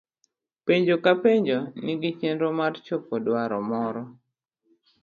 Penjo ka penjo nigi chenro mar chopo dwaro moro.